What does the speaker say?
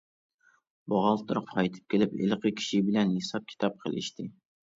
بوغالتىر قايتىپ كېلىپ ھېلىقى كىشى بىلەن ھېساب-كىتاب قىلىشتى.